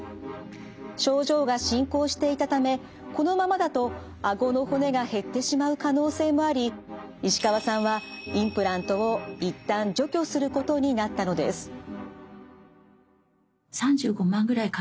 症状が進行していたためこのままだとあごの骨が減ってしまう可能性もあり石川さんはあの私インプラント周囲炎ってほとんど知らなかったんですけど